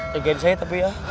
jagain saya tapi ya